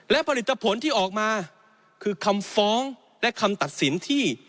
และผลิตผลที่ออกมาคือคำฟ้องและคำตัดสินที่